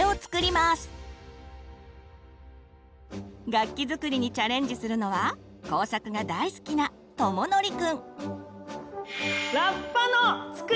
楽器作りにチャレンジするのは工作が大好きなとものりくん。